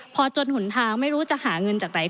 พอจนหนทางไม่รู้จะหาเงินจากไหน